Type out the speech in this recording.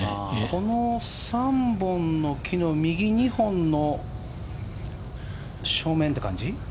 この３本の木の右２本の正面という感じ？